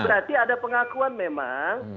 berarti ada pengakuan memang